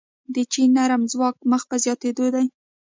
د چین نرم ځواک مخ په زیاتیدو دی.